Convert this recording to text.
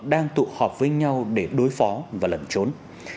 đang tụ họp với nhau để đối phó và lẩn trốn